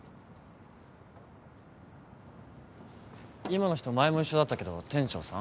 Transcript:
今の人前も一緒だったけど店長さん？